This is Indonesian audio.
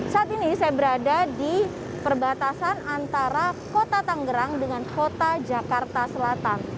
saat ini saya berada di perbatasan antara kota tanggerang dengan kota jakarta selatan